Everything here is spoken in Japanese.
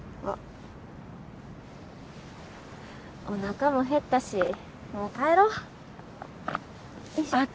おなかも減ったしもう帰ろ。